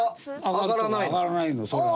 「上がらない」のそれ。